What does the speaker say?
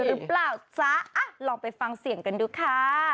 หรือเปล่าจ๊ะลองไปฟังเสียงกันดูค่ะ